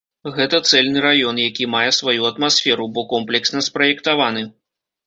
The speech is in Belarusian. Гэта цэльны раён, які мае сваю атмасферу, бо комплексна спраектаваны.